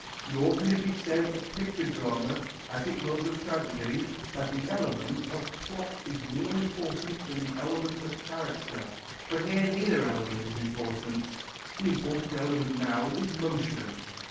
" Nor can it be said of picture drama, as it was of tragedy, that the element of plot is more important than the element of character. For here neither element is important. The important element now is motion.